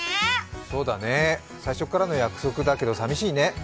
そうだね、最初からの約束だけど寂しいね。